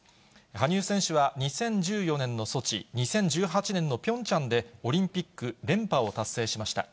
羽生選手は２０１４年のソチ、２０１８年のピョンチャンでオリンピック連覇を達成しました。